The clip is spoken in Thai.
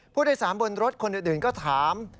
ผู้โดยสารบนรถคนอื่นก็ถาม